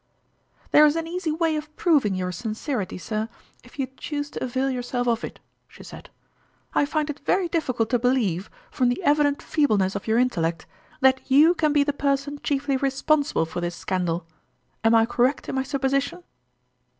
" There is an easy way of proving your sincerity, sir, if you choose to avail yourself of it," she said. " I find it very difficult to be lieve, from the evident feebleness of your in tellect, that you can be the person chiefly responsible for this scandal. Am I correct in my supposition